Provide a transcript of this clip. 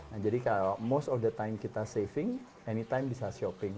nah jadi kalau most of the time kita saving anytime bisa shopping